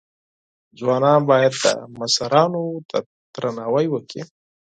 ځوانان باید د مشرانو درناوی وکړي.